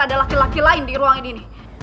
ada laki laki lain di ruangan ini